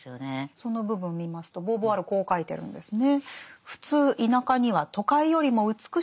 その部分見ますとボーヴォワールはこう書いてるんですね。